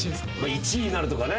１位になるとかね。